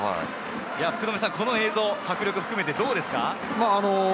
この映像、迫力含めてどうですか？